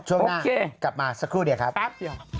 ช่วงหน้ากลับมาสักครู่เดี๋ยวครับ